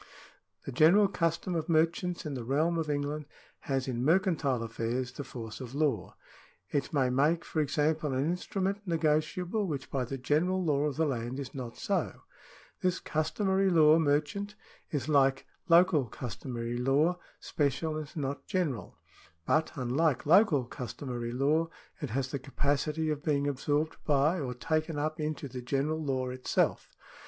The general custom of merchants in the realm of England has in mercantile affairs the force of law. It may make, for example, an instrument negotiable, which by the general law of the land is not so. This customary law merchant is, like local customary law, special and not general ; but, unlike local customary law, it has the capacity of being absorbed by, or taken up into the general law itself.